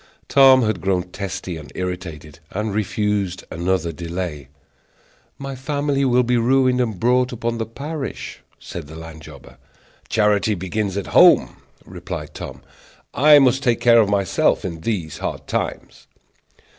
Tom had grown testy and irritated, and refused another delay. "My family will be ruined, and brought upon the parish," said the land jobber. "Charity begins at home," replied Tom; "I must take care of myself in these hard times."